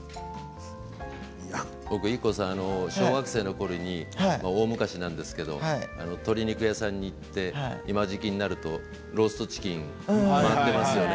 僕、ＩＫＫＯさんって小学生のころに大昔なんですけれども鶏肉屋さんに行って今時期になるとローストチキン売っていますよね